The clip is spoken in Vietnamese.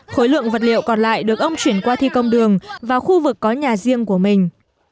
khối lượng vật liệu còn lại được ông chuyển qua thi công đường vào khu vực có nhà riêng của mình